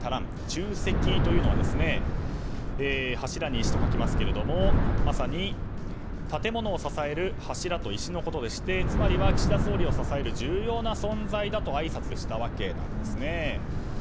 柱石というのは柱に石と書きますがまさに建物を支える柱と石のことでしてつまりは岸田総理を支える重要な存在だとあいさつしたわけなんですね。